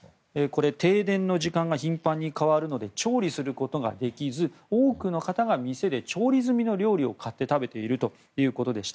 停電の時間が頻繁に変わるので調理することができず多くの方が店で調理済みの料理を買って食べているということでした。